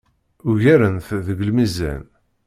Ugaren-t deg lmizan.